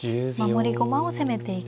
守り駒を攻めていく。